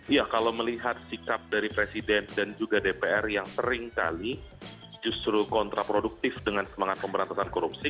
ya kalau melihat sikap dari presiden dan juga dpr yang seringkali justru kontraproduktif dengan semangat pemberantasan korupsi